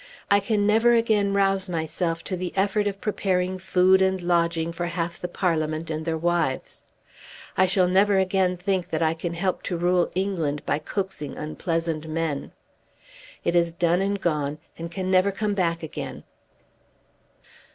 I can never again rouse myself to the effort of preparing food and lodging for half the Parliament and their wives. I shall never again think that I can help to rule England by coaxing unpleasant men. It is done and gone, and can never come back again."